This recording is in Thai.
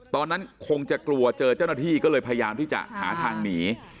ตอนนั้นคงจะกลัวเจอเจ้าหน้าที่ก็เลยพยายามที่จะหาทางหนี